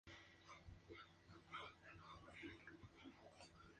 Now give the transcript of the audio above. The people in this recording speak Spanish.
Su situación cuadra con el espaciado de las anillas.